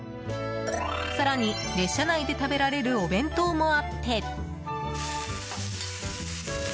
更に列車内で食べられるお弁当もあって。